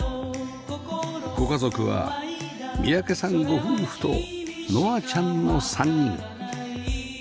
ご家族は三宅さんご夫婦と乃愛ちゃんの３人